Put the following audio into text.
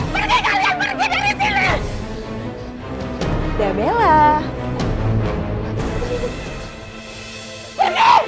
pergi kalian pergi dari sini